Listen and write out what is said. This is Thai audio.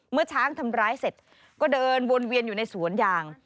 เมื่อช้างทำร้ายเสร็จก็เดินวนเวียนอยู่ในสวนยาง